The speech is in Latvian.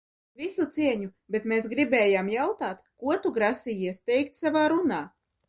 Visu cieņu, bet mēs gribējām jautāt, ko tu grasījies teikt savā runā?